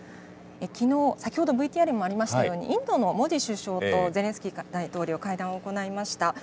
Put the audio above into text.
きのう、先ほどＶＴＲにもあったように、インドのモディ首相とゼレンスキー大統領、会談を行いました。